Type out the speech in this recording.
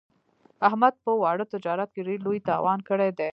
احمد په واړه تجارت کې ډېر لوی تاوان کړی دی.